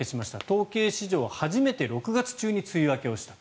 統計史上初めて６月中に梅雨明けをした。